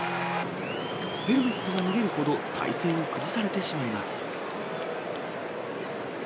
ヘルメットが脱げるほど、体勢を崩されてしまいます。